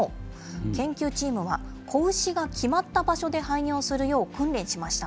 研究チームは、子牛が決まった場所で排尿するよう訓練しました。